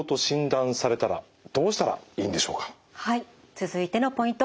続いてのポイント